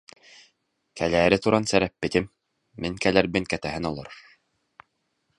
Кэлээри туран сэрэппитим, мин кэлэрбин кэтэһэн олорор